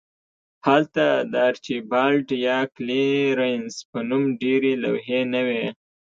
هلته د آرچیبالډ یا کلیرنس په نوم ډیرې لوحې نه وې